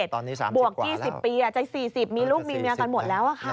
ตอนนี้๓๐กว่าแล้วบวก๒๐ปีใจ๔๐ปีมีลูกมีเมียกันหมดแล้ว